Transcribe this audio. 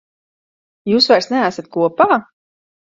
Jūs vairs neesat kopā?